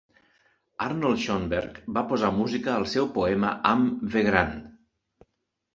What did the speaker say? Arnold Schoenberg va posar música al seu poema Am Wegrand.